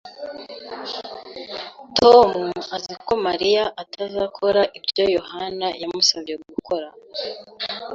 Tom azi ko Mariya atazakora ibyo Yohana yamusabye gukora